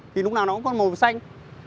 thì lúc nào nó cũng còn màu xanh